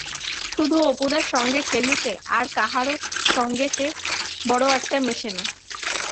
শুধু অপুদার সঙ্গে খেলিতে, আর কাহারও সঙ্গে সে বড় একটা মেশে না।